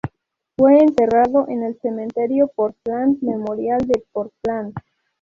Fue enterrado en el Cementerio Portland Memorial de Portland.